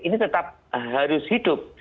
ini tetap harus hidup